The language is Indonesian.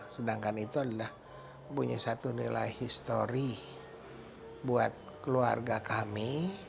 sedangkan itu adalah punya satu nilai histori buat keluarga kami